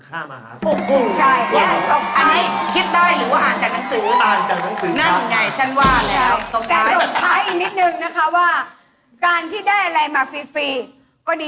ไม่มีเวลาใจเย็น